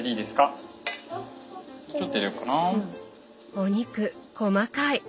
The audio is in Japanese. お肉細かい！